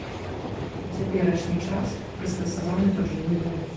У цяперашні час прыстасаваны пад жылы дом.